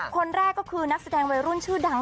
คนแรกก็คือนักแสดงวัยรุ่นชื่อดัง